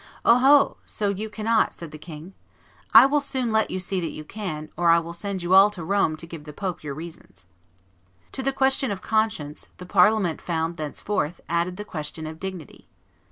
"Oho! so you cannot," said the king; "I will soon let you see that you can, or I will send you all to Rome to give the pope your reasons." To the question of conscience the Parliament found thenceforth added the question of dignity.